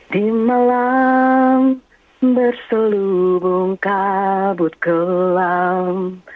di malam berselubung kabut gelam